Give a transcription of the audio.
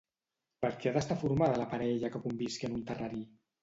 Per qui ha d'estar formada la parella que convisqui en un terrari?